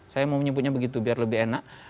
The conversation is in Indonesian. saya mau menyebutnya begitu biar lebih enak